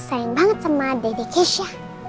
sayang banget sama dedek keisha